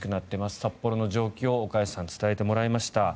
札幌の状況を岡安さんに伝えてもらいました。